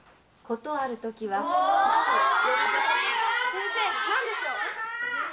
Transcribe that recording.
・先生何でしょう？